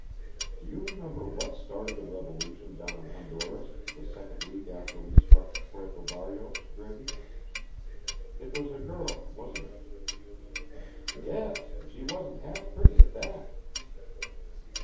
"Do you remember what started the revolution down in Honduras the second week after we struck Puerto Barrios, Greggy? It was a girl, wasn't it?" "Yes, and she wasn't half pretty at that."